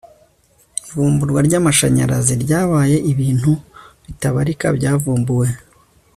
Ivumburwa ryamashanyarazi ryabyaye ibintu bitabarika byavumbuwe